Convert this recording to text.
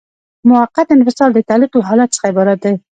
موقت انفصال د تعلیق له حالت څخه عبارت دی.